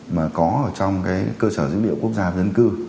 mà có trong cơ sở dữ liệu quốc gia dân cư